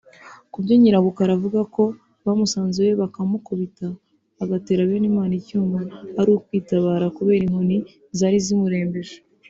Ku byo Nyirabukara avuga ko bamusanze iwe bakamukubita agatera Benimana icyuma ari kwitabara kubera inkoni zari zimurembeje